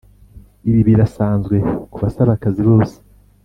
Ibi birasanzwe ku basaba akazi bose